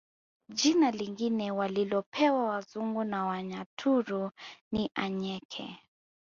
Jina lingine walilopewa wazungu na Wanyaturu ni Anyeke